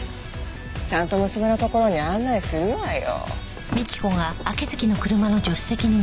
ちゃんと娘のところに案内するわよ。